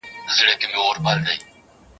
وچ ډنګر وو له کلونو ژړ زبېښلی